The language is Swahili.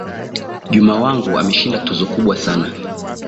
Juma wangu ameshinda tuzo kubwa sana.